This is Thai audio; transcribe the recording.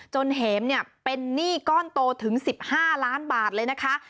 เห็มเนี่ยเป็นหนี้ก้อนโตถึง๑๕ล้านบาทเลยนะคะ